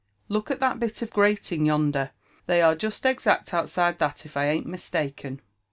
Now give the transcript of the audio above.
" Look at that bit of grating yonder; they are just exact outside that, if I an't mistaken."